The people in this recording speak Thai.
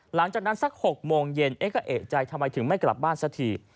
หลังจากนั้นสัก๖โมงเย็นเอ๊ะก็เอกใจทำไมถึงไม่กลับบ้านสักที